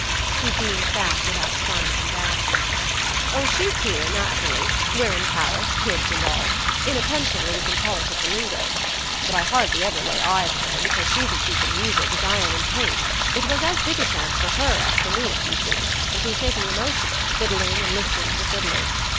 He beamed back without sign of embarrassment. "Oh, she's here, naturally we're in Paris, kids and all. In a pension, where we can polish up the lingo. But I hardly ever lay eyes on her, because she's as deep in music as I am in paint; it was as big a chance for her as for me, you see, and she's making the most of it, fiddling and listening to the fiddlers.